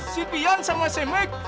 si tian sama si mike